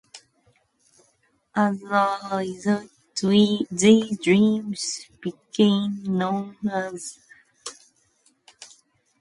As a result, these dramas became known as "soap operas."